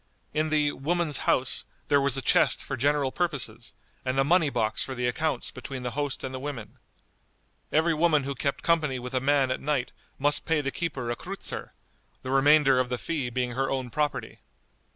In the "woman's house" there was a chest for general purposes, and a money box for the accounts between the host and the women. Every woman who kept company with a man at night must pay the keeper a kreutzer, the remainder of the fee being her own property.